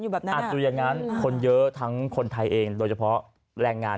แบบนั้นอ่ะดูอย่างนั้นคนเยอะทั้งคนไทยเองโดยเฉพาะแรงงาน